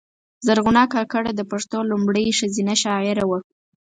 زرغونه کاکړه د پښتو لومړۍ ښځینه شاعره وه .